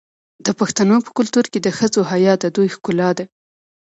د پښتنو په کلتور کې د ښځو حیا د دوی ښکلا ده.